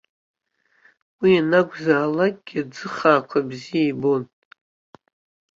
Уи ианакәызаалакгьы аӡы хаақәа бзиа ибон.